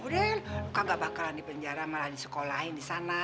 udah lu gak bakalan di penjara malah disekolahin disana